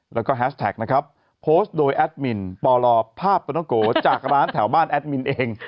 แล้วก็แฮชแท็กโพสต์โดยแอดมินป่อรอภาพอดฝาต้องโกจากร้านแถวบ้านแอดมินเอง